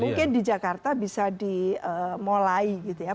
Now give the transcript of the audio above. mungkin di jakarta bisa dimulai gitu ya